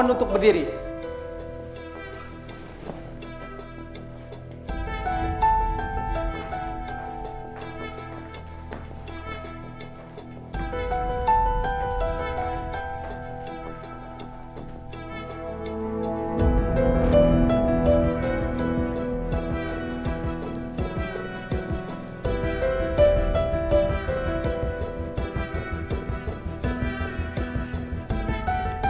tapi aku gak mau nyamperin mereka